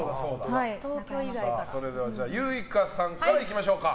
ユイカさんからいきましょうか。